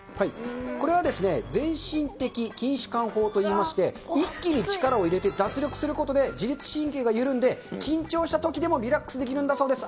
これは、漸進的筋弛緩法といいまして、一気に力を入れて脱力することで、自律神経が緩んで、緊張したときでもリラックスできるんだそうです。